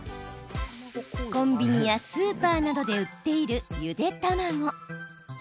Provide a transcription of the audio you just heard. コンビニやスーパーなどで売っている、ゆで卵。